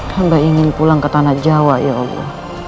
hamba ingin pulang ke tanah jawa